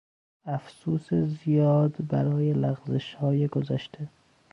افسوس زیاد برای لغزشهای گذشته